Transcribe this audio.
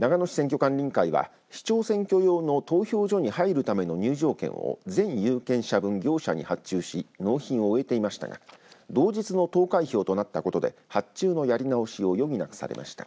長野市選挙管理委員会は市長選挙用の投票所に入るための入場券を全有権者分、業者に発注し納品を終えていましたが同日の投開票となったことで発注のやり直しを余儀なくされました。